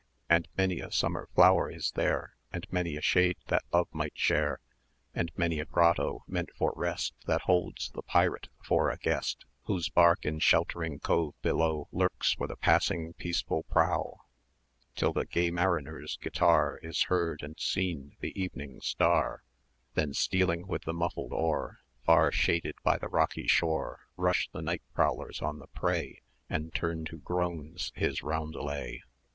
And many a summer flower is there, And many a shade that Love might share, And many a grotto, meant for rest, That holds the pirate for a guest; Whose bark in sheltering cove below Lurks for the passing peaceful prow, Till the gay mariner's guitar 40 Is heard, and seen the Evening Star; Then stealing with the muffled oar, Far shaded by the rocky shore, Rush the night prowlers on the prey, And turn to groans his roundelay.